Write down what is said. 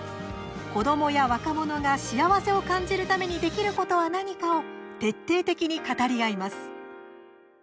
子どもや若者が幸せを感じるためにできることは何かを徹底的に語り合います。